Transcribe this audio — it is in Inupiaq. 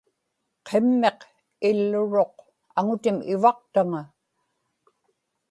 qimmiq illuruq aŋutim ivaqtaŋa